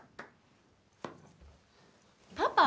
パパ？